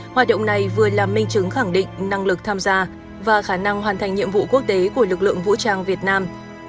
hoạt động này vừa là minh chứng khẳng định năng lực tham gia và khả năng hoàn thành nhiệm vụ quốc tế của lực lượng vũ trang việt nam